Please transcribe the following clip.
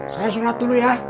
saya sholat dulu ya